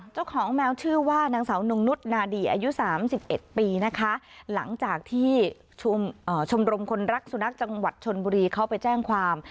เจ้าของแมวชื่อว่านางสาวนงนุษย์นาดีอายุ๓๑ปีนะคะหลังจากที่ชมรมคนรักสุนัขจังหวัดชนบุรีเขาไปแจ้งความ